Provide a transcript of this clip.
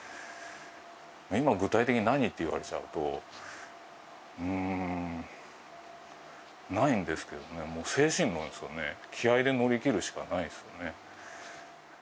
今、具体的に何っていわれちゃうと、うーん、ないんですけどね、もう精神論ですよね、気合いで乗り切るしかないですよね。